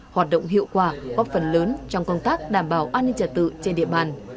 hoạt động hiệu quả góp phần lớn trong công tác đảm bảo an ninh trả tự trên địa bàn